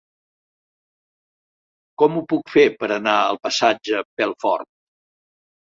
Com ho puc fer per anar al passatge Pelfort?